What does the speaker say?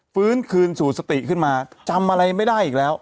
ฟื้นคืนสู่สติขึ้นมาจำอะไรไม่ได้อีกแล้ว